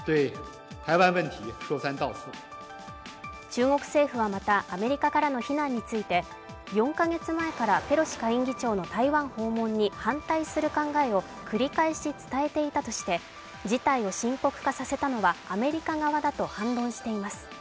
中国政府はまた、アメリカからの非難について４カ月前からペロシ下院議長の台湾訪問に反対する考えを繰り返し伝えていたとして事態を深刻化させたのはアメリカ側だと反論しています。